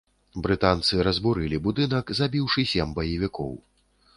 Брытанцы разбурылі будынак, забіўшы сем баевікоў.